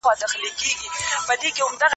زده کړه باید د ژوند تر پایه وي.